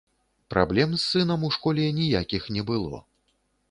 Праблем з сынам у школе ніякіх не было.